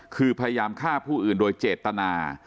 คือพยายามฆ่าผู้อื่นโดยเจตนา